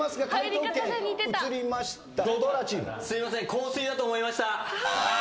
『香水』だと思いました。